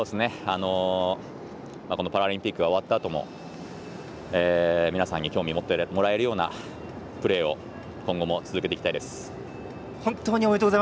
このパラリンピックが終わったあとも皆さんに興味を持ってもらえるようなプレーを今後も続けていきたいです。